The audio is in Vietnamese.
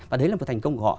và đấy là một thành công gọi